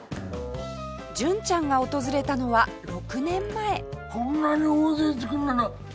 純ちゃんが訪れたのは６年前